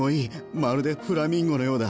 まるでフラミンゴのようだ。